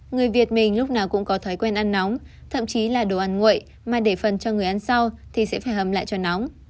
người việt mình lúc nào cũng có thói quen ăn nóng thậm chí là đồ ăn nguội mà để phần cho người ăn sau thì sẽ phải hầm lại cho nóng